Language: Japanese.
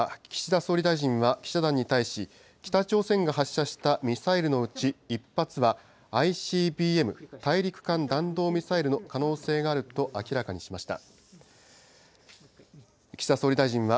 岸田総理大臣は記者団に対し、北朝鮮が発射したミサイルのうち１発は、ＩＣＢＭ・大陸間弾道ミサイルの可能性があると明らかにしました。